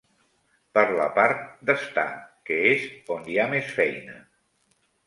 Per la part d'estar, que és on hi ha més feina.